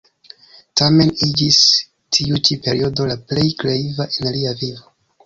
Tamen iĝis tiu ĉi periodo la plej kreiva en lia vivo.